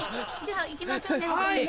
行きましょうね他にね。